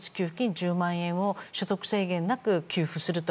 １０万円を所得制限なく給付すると。